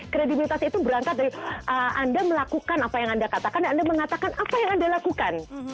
kredibilitas itu berangkat dari anda melakukan apa yang anda katakan dan anda mengatakan apa yang anda lakukan